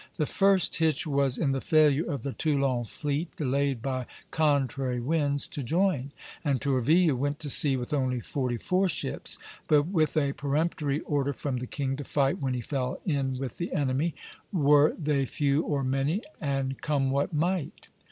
The first hitch was in the failure of the Toulon fleet, delayed by contrary winds, to join; and Tourville went to sea with only forty four ships, but with a peremptory order from the king to fight when he fell in with the enemy, were they few or many, and come what might.